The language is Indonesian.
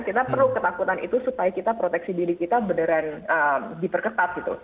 kita perlu ketakutan itu supaya kita proteksi diri kita beneran diperketat gitu